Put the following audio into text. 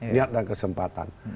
lihat dan kesempatan